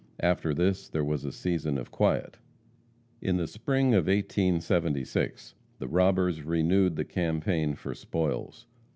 After this there was a season of quiet. In the spring of 1876 the robbers renewed the campaign for spoils.